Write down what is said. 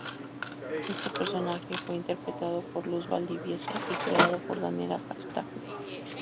Este personaje fue interpretado por Luz Valdivieso y creado por Daniella Castagno.